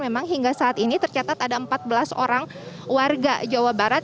memang hingga saat ini tercatat ada empat belas orang warga jawa barat